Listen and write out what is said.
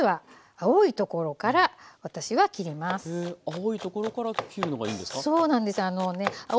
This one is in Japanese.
青いところから切るのがいいんですか？